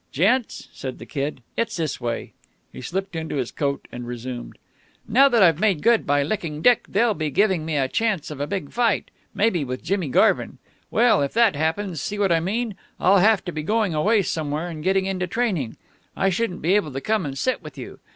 "Gents," said the Kid, "it's this way." He slipped into his coat, and resumed. "Now that I've made good by licking Dick, they'll be giving me a chance of a big fight. Maybe with Jimmy Garvin. Well, if that happens, see what I mean? I'll have to be going away somewhere and getting into training. I shouldn't be able to come and sit with you.